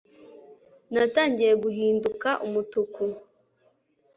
natangiye guhinduka umutuku